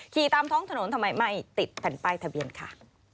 ขี่ตามท้องถนนทำไมไม่ติดแผ่นป้ายทะเบียนค่ะ